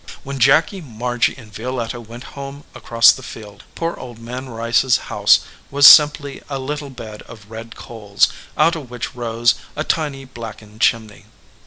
When Jacky, Margy, and Violetta went home across the field, poor Old Man Rice s house was simply a little bed of red coals, out of which rose a tiny blackened chimney.